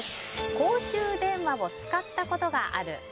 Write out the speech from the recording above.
公衆電話を使ったことがある？